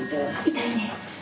痛いね。